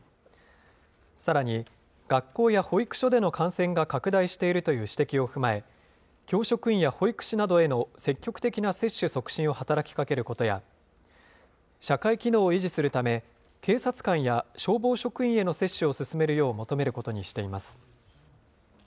さらに、学校や保育所での感染が拡大しているという指摘を踏まえ、教職員や保育士などへの積極的な接種促進を働きかけることや、社会機能を維持するため、警察官や消防職員への接種を進めるよう求めることにしています。